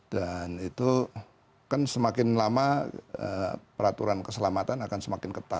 dan itu kan semakin lama peraturan keselamatan akan semakin ketat